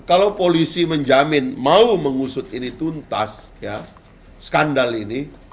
kalau polisi menjamin mau mengusut ini tuntas ya skandal ini